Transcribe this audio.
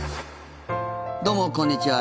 どうもこんにちは。